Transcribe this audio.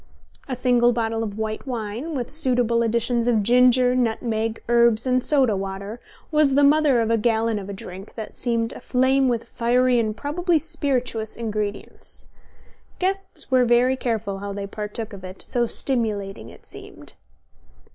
A single bottle of white wine, with suitable additions of ginger, nutmeg, herbs and soda water, was the mother of a gallon of a drink that seemed aflame with fiery and probably spirituous ingredients. Guests were very careful how they partook of it, so stimulating it seemed.